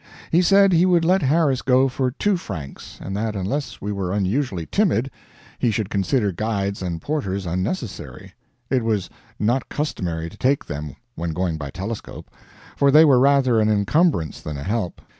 He said he would let Harris go for two francs; and that unless we were unusually timid, he should consider guides and porters unnecessary; it was not customary to take them, when going by telescope, for they were rather an encumbrance than a help.